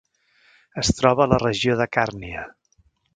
Es troba a la regió de Càrnia.